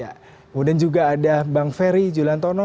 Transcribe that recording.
kemudian juga ada bang ferry juliantono